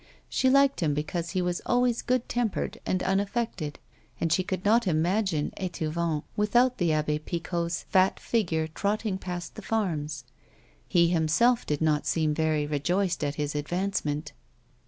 She liked him because he was always good tempered and unaffected, and she could not imagine Etouvent without the Abbe Picot's fat figure trotting past the farms. He himself did not seem very rejoiced at his advancement.